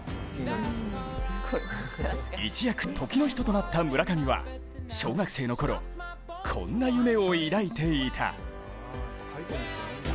一躍時の人となった村上は小学生のころ、こんな夢を抱いていた。